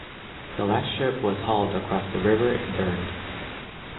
The last ship was hauled across the river and burned.